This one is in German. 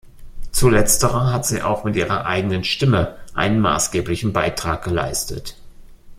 Zu letzterer hat sie auch mit ihrer eigenen Stimme einen maßgeblichen Beitrag geleistet.